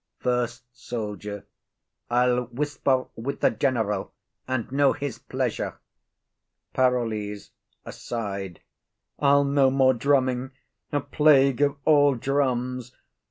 FIRST SOLDIER. I'll whisper with the general, and know his pleasure. PAROLLES. [Aside.] I'll no more drumming; a plague of all drums!